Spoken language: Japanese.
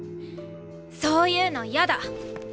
そういうの嫌だ。